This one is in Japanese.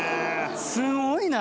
すごいな。